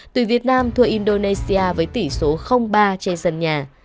hai nghìn bốn tuyển việt nam thua indonesia với tỷ số ba trên sân nhà